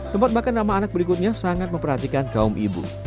tempat makan nama anak berikutnya sangat memperhatikan kaum ibu